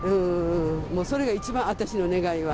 それが一番、私の願いは。